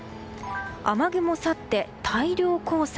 雨雲去って大量黄砂。